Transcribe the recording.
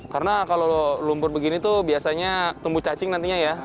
karena kalau lumpur begini tuh biasanya tumbuh cacing nantinya ya